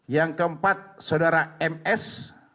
yang keempat saudara ms